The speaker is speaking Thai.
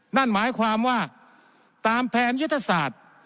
นั่นหมายความว่าตามแผนยุทธศาสตร์